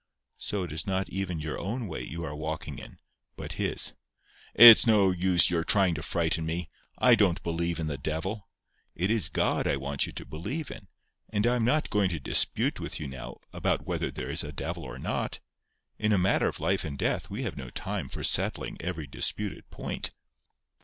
So it is not even your own way you are walking in, but his." "It's no use your trying to frighten me. I don't believe in the devil." "It is God I want you to believe in. And I am not going to dispute with you now about whether there is a devil or not. In a matter of life and death we have no time for settling every disputed point."